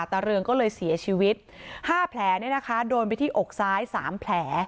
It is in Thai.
ตาเรืองก็เลยเสียชีวิตห้าแผลเนี้ยนะคะโดนไปที่อกซ้ายสามแผล